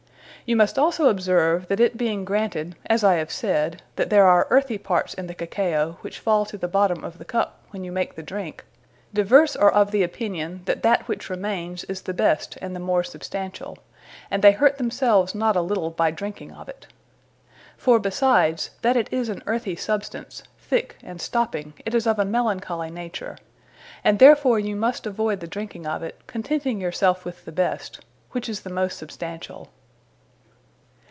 You must also observe, that it being granted, as I have said, that there are earthy parts in the Cacao, which fall to the bottome of the Cup, when you make the drinke, divers are of the opinion, that, that which remaines, is the best and the more substantiall; and they hurt themselves not a litle, by drinking of it. For besides, that it is an earthy substance, thick, and stopping, it is of a malancholy Nature; and therefore you must avoid the drinking of it, contenting your selfe with the best, which is the most substantiall.